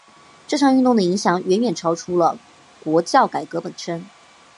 这场运动的影响远远超出了国教改革本身。